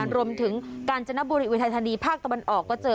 รวมถึงกาญจนบุรีอุทัยธานีภาคตะวันออกก็เจอ